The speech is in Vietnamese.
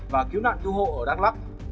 và cứu nạn cứu hộ ở đắk lắc